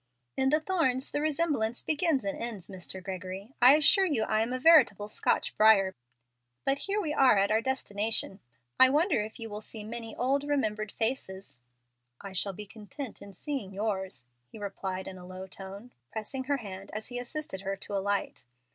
"In the thorns the resemblance begins and ends, Mr. Gregory. I assure you I am a veritable Scotch brier. But here we are at our destination. I wonder if you will see many old, remembered faces." "I shall be content in seeing yours," he replied in a low tone, pressing her hand as he assisted her to alight.